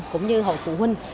cũng như hội phụ huynh